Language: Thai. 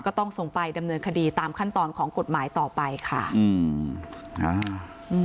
ก็ต้องส่งไปดำเนินคดีตามขั้นตอนของกฎหมายต่อไปค่ะอืมอ่าอืม